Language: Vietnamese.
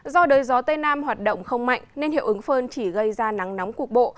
do đới gió tây nam hoạt động không mạnh nên hiệu ứng phơn chỉ gây ra nắng nóng cục bộ